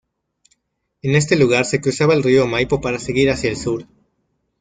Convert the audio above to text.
En este lugar se cruzaba el río Maipo para seguir hacia el sur.